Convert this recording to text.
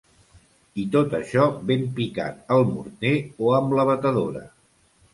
I tot això ben picat al morter o amb la batedora.